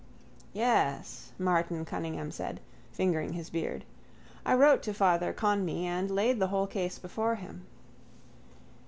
—Yes, Martin Cunningham said, fingering his beard. I wrote to Father Conmee and laid the whole case before him.